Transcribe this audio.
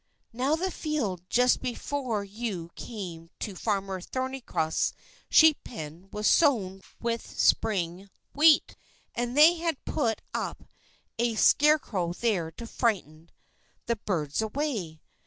Now, the field just before you come to Farmer Thornycroft's sheep pen was sown with spring wheat, and they had put up a scarecrow there to frighten the birds away.